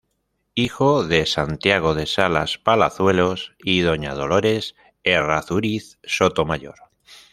Hijo de "Santiago de Salas Palazuelos" y doña "Dolores Errázuriz Sotomayor".